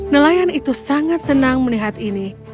nelayan itu sangat senang melihat ini